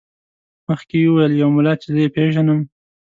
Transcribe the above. مخکې یې وویل یو ملا چې زه یې پېژنم.